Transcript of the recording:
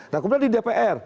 nah kebetulan di dpr